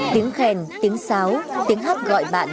tiếng khen tiếng xáo tiếng hát gọi bạn